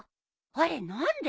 あれ何で？